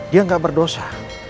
dia gak berdosa